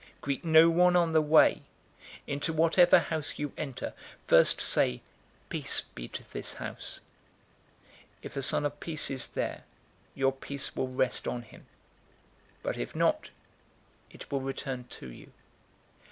Greet no one on the way. 010:005 Into whatever house you enter, first say, 'Peace be to this house.' 010:006 If a son of peace is there, your peace will rest on him; but if not, it will return to you.